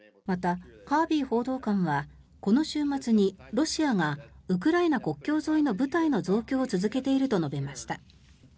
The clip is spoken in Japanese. またカービー報道官はこの週末にロシアがウクライナ国境沿いの部隊の増強を続けていると述べました。